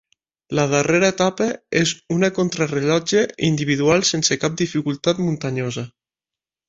La darrera etapa és una contrarellotge individual sense cap dificultat muntanyosa.